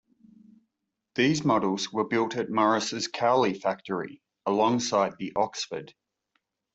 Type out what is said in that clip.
These models were built at Morris's Cowley factory alongside the 'Oxford'.